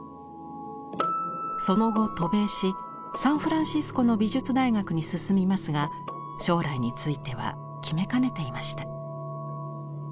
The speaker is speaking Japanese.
その後渡米しサンフランシスコの美術大学に進みますが将来については決めかねていました。